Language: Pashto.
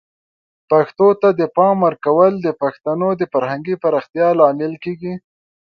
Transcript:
پښتو ته د پام ورکول د پښتنو د فرهنګي پراختیا لامل کیږي.